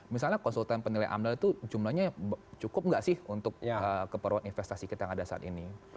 misalnya konsultan penilai amdal itu jumlahnya cukup nggak sih untuk keperluan investasi kita yang ada saat ini